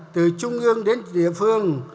từ trung ương đến địa phương